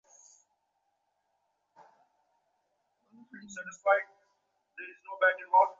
যোগীরা বলেন, চেষ্টা করিলে আমরা ঐগুলি অনুভব করিতে শিখিতে পারি।